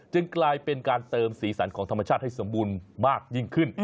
กลายเป็นการเติมสีสันของธรรมชาติให้สมบูรณ์มากยิ่งขึ้น